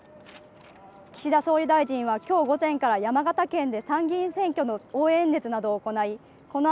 岸田総理大臣はきょう午前から山形県で参議院選挙の応援演説などを行い